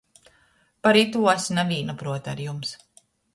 Par itū es na vīna pruota ar jums.